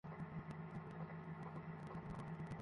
এভাবে তিনিই তোমাদের সৃষ্টিকারী ও রিযিকদাতা।